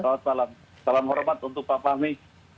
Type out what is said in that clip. selamat malam salam hormat untuk bapak ami